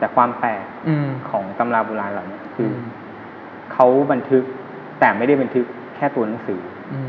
เขาบันทึกแต่ไม่ได้บันทึกแค่ตัวหนังสือ